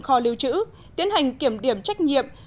kho lưu trữ tiến hành kiểm điểm trách nhiệm